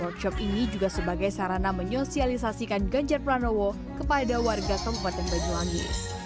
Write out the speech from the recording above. workshop ini juga sebagai sarana menyosialisasikan ganjar pranowo kepada warga kabupaten banyuwangi